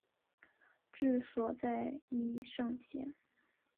治所在宜盛县。